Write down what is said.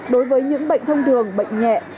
đối với những bệnh thông thường bệnh nhẹ